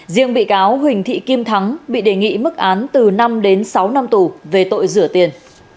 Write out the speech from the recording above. riêng bị cáo huỳnh thị kim thắng bị đề nghị mức án từ năm đến sáu năm tù về tội rửa tiền